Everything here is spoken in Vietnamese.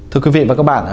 thưa quý vị và các bạn